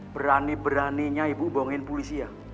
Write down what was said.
berani beraninya ibu bohongin polisi ya